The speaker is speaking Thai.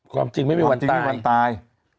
ความจริงไม่มีวันตาย